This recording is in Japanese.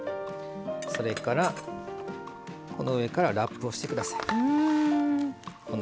それから、この上からラップをしてください。